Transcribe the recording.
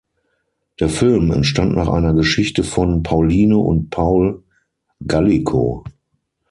Der Film entstand nach einer Geschichte von Pauline und Paul Gallico.